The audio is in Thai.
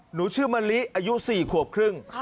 หนูชื่อมะลิอายุ๔ขวบครึ่ง